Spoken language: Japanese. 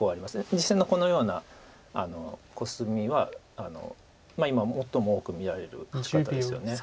実戦のこのようなコスミは今最も多く見られる形ですよね。